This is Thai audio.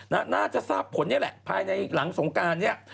น่าจะทราบผลนี่แหละภายในหลังสงการเนี่ย